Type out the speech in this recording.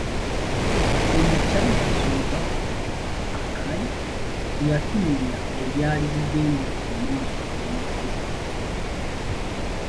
Omukyala asooka, Akai, yatunulira ebyali bigenda mu maaso n'okubuzabuzibwa.